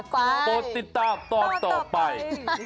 ต้นติดตามตอนต่อไป